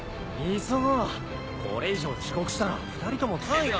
急ごうこれ以上遅刻したら２人とも単位が。